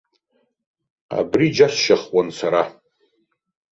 Абри џьасшьахуан сара!